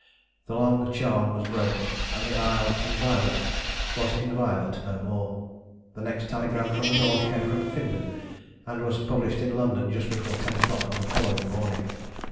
The long charm was broken, and the Isle Inviolate was inviolate no more. The next telegram from the North came from Findon, and was published in London just before ten o'clock on the following morning.